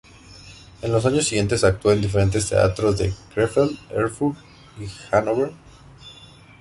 En los años siguientes actuó en diferentes teatros de Krefeld, Erfurt y Hannover.